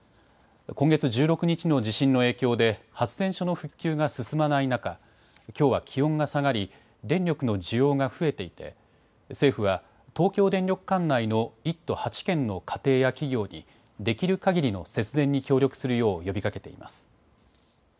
今月１６日の地震の影響で発電所の復旧が進まない中、きょうは気温が下がり電力の需要が増えていて政府は東京電力管内の１都８県の家庭や企業にできるかぎりの節電に協力するよう呼びかけています。